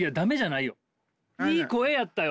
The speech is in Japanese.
いい声やったよ。